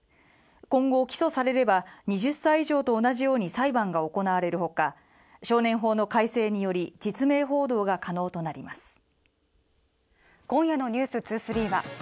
今後、起訴されれば２０歳以上と同じように裁判が行われるほか、少年法の改正により実名報道が可能となります。